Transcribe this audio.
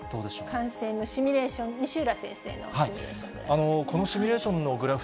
感染のシミュレーション、西浦先生のシミュレーショングラフ。